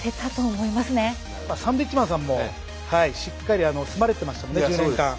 サンドウィッチマンさんもしっかり住まれてましたもんね１０年間。